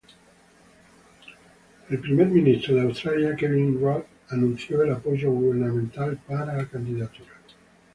El primer ministro de Australia, Kevin Rudd, anunció el apoyo gubernamental para la candidatura.